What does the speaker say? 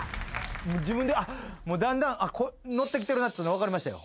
自分でだんだんノッてきてるなっつうの分かりましたよ